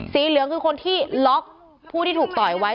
เหลืองคือคนที่ล็อกผู้ที่ถูกต่อยไว้